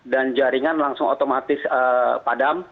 dan jaringan langsung otomatis padam